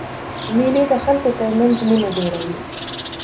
مېلې د خلکو تر منځ مینه ډېروي.